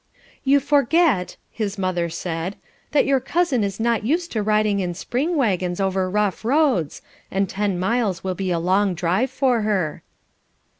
"You forget," his mother said, "that your cousin is not used to riding in spring waggons over rough roads, and ten miles will be a long drive for her."